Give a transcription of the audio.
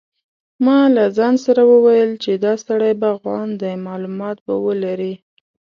ما له ځان سره وویل چې دا سړی باغوان دی معلومات به ولري.